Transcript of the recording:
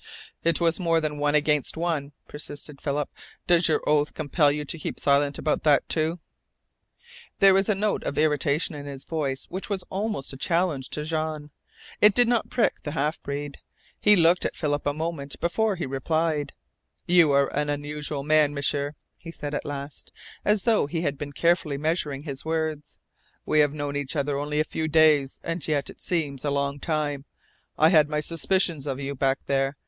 "It was more than one against one," persisted Philip. "Does your oath compel you to keep silent about that, too?" There was a note of irritation in his voice which was almost a challenge to Jean. It did not prick the half breed. He looked at Philip a moment before he replied: "You are an unusual man, M'sieur," he said at last, as though he had been carefully measuring his words. "We have known each other only a few days, and yet it seems a long time. I had my suspicions of you back there.